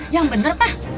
yang bener pak